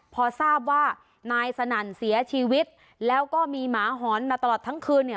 พอทราบว่านายสนั่นเสียชีวิตแล้วก็มีหมาหอนมาตลอดทั้งคืนเนี่ย